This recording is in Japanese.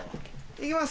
行きます。